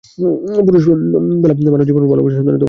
পুনাম, মানুষ জীবনভর ভালবাসার সন্ধানে দোঁড়াতে থাকে।